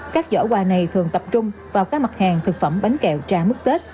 các giỏ quà này thường tập trung vào các mặt hàng thực phẩm bánh kẹo trà mứt tết